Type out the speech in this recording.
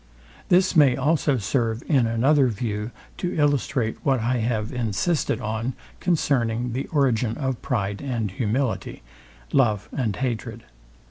This may also serve in another view to illustrate what I have insisted on concerning the origin of pride and humility, love and hatred.